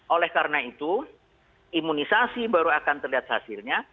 oleh karena itu imunisasi baru akan terlihat hasilnya